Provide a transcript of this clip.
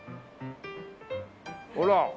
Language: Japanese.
ほら！